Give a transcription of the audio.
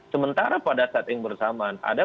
sementara pada saat yang bersamaan ada